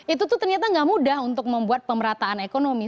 itu tuh ternyata gak mudah untuk membuat pemerataan ekonomi